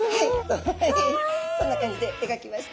そんな感じで描きました。